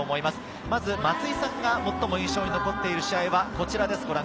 まず松井さんが最も印象に残っている試合はこちらです。